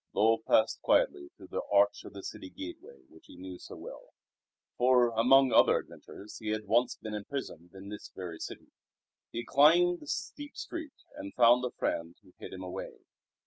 Lull passed quietly through the arch of the city gateway which he knew so well, for among other adventures he had once been imprisoned in this very city. He climbed the steep street and found a friend who hid him away.